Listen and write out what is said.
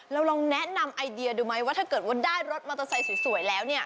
ลองแนะนำไอเดียดูไหมว่าถ้าเกิดว่าได้รถมอเตอร์ไซค์สวยแล้วเนี่ย